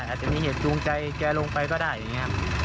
อาจจะมีเหตุจูงใจแกลงไปก็ได้